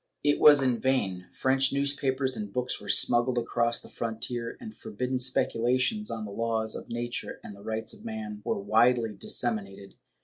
^ It was in vain. French newspapers and books were smuggled across the frontier, and forbidden speculations on the laws of nature and the rights of man were widely disseminated.